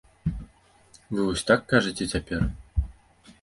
Вы вось так кажаце цяпер?